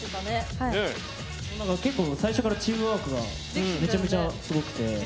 結構、最初からチームワークがめちゃくちゃすごくて。